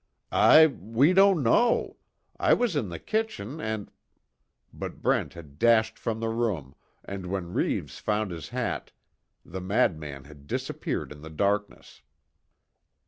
"I we don't know. I was in the kitchen, and " but Brent had dashed from the room, and when Reeves found his hat, the madman had disappeared in the darkness.